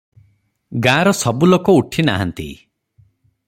ଗାଁର ସବୁ ଲୋକ ଉଠି ନାହାଁନ୍ତି ।